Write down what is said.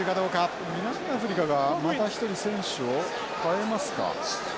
南アフリカがまた一人選手を代えますか。